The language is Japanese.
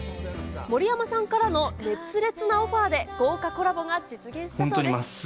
森山さんからの熱烈なオファーで豪華コラボが実現したそうです。